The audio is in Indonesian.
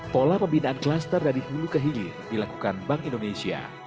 pola pembinaan klaster dari hulu ke hilir dilakukan bank indonesia